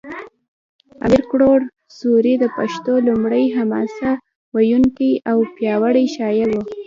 امیر کروړ سوري د پښتو لومړنی حماسه ویونکی او پیاوړی شاعر و